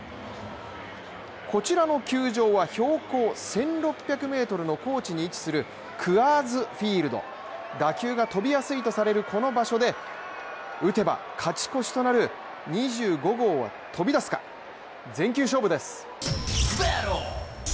こちらの球場は標高１６００ｍの高地に位置するクアーズ・フィールド、打球が飛びやすいとされるこの場所で打てば勝ち越しとなる２５号は飛び出すか、全球勝負です。